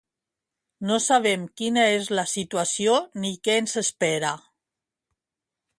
No sabem quina és la situació ni què ens espera.